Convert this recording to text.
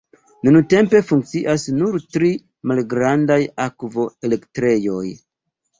Nuntempe funkcias nur tri malgrandaj akvo-elektrejoj.